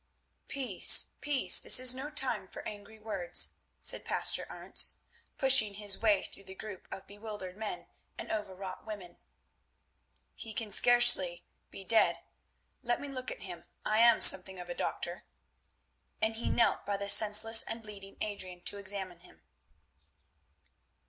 "Peace, peace! this is no time for angry words," said the Pastor Arentz, pushing his way through the group of bewildered men and overwrought women. "He can scarcely be dead; let me look at him, I am something of a doctor," and he knelt by the senseless and bleeding Adrian to examine him.